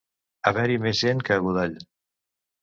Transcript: Haver-hi més gent que a Godall.